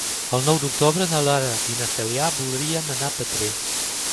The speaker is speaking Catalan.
El nou d'octubre na Lara i na Cèlia voldrien anar a Petrer.